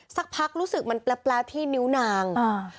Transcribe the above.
สักพักรู้สึกมันแปลที่นิ้วนางอ่า